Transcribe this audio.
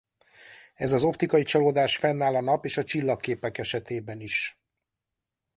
Ez az optikai csalódás fennáll a Nap és a csillagképek esetében is.